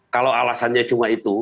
kalau alasannya cuma itu